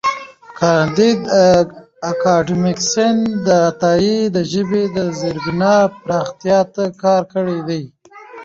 کانديد اکاډميسن عطايي د ژبې د زېربنا پراختیا ته کار کړی دی.